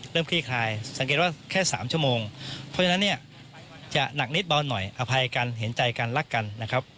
คลี่คลายสังเกตว่าแค่๓ชั่วโมงเพราะฉะนั้นเนี่ยจะหนักนิดเบาหน่อยอภัยกันเห็นใจกันรักกันนะครับ